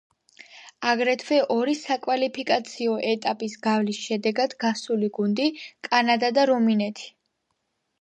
აგრეთვე ორი საკვალიფიკაციო ეტაპის გავლის შედეგად გასული გუნდი კანადა და რუმინეთი.